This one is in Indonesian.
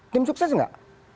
tim sukses nggak